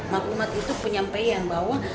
maklumat itu penyampaian bahwa